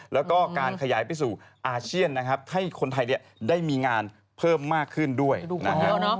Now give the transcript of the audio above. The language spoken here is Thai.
แล้วก็การขยายไปสู่อาเซียนนะครับให้คนไทยได้มีงานเพิ่มมากขึ้นด้วยนะครับ